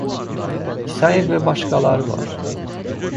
İsayev və başqaları var.